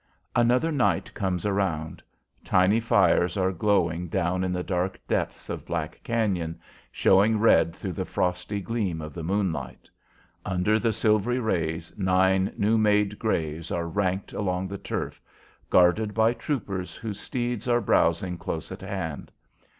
Another night comes around. Tiny fires are glowing down in the dark depths of Black Cañon, showing red through the frosty gleam of the moonlight. Under the silvery rays nine new made graves are ranked along the turf, guarded by troopers whose steeds are browsing close at hand.